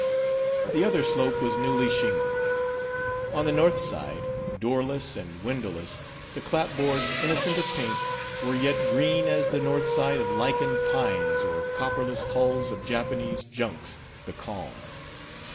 The other slope was newly shingled. On the north side, doorless and windowless, the clap boards, innocent of paint, were yet green as the north side of lichened pines or copperless hulls of Japanese junks, becalmed.